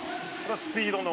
スピードの。